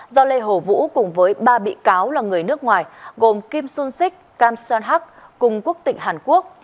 do lê hồ vũ cùng với ba bị cáo là người nước ngoài gồm kim sung sik kam son hak cùng quốc tịch hàn quốc